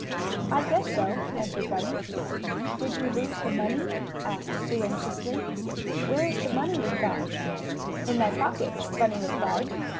"I guess so," answered Bunny. "Did you lose the money?" asked Sue anxiously. "Where is the money we got?" "In my pocket," Bunny replied.